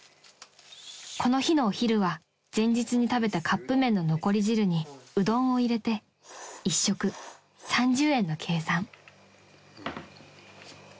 ［この日のお昼は前日に食べたカップ麺の残り汁にうどんを入れて一食３０円の計算］